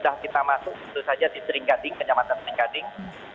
kita masuk itu saja di seringkading kejamatan seringkading